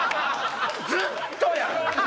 ずっとやん。